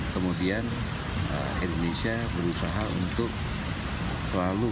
kemudian indonesia berusaha untuk selalu